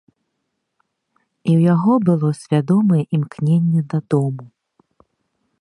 І ў яго было свядомае імкненне дадому.